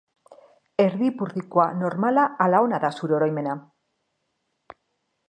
Erdipurdikoa, normala ala ona da zure oroimena?